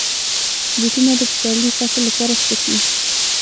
بوټونه د پسرلي فصل لپاره سپک وي.